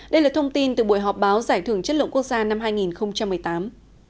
đây là thông tin từ buổi họp báo giải thưởng chất lượng quốc gia năm hai nghìn một mươi tám